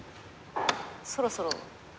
そろそろ。